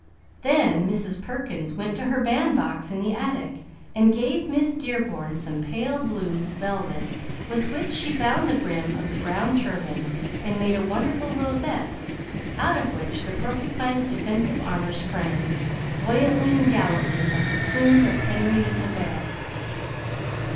Then Mrs. Perkins went to her bandbox in the attic and gave Miss Dearborn some pale blue velvet, with which she bound the brim of the brown turban and made a wonderful rosette, out of which the porcupine's defensive armor sprang, buoyantly and gallantly, like the plume of Henry of Navarre.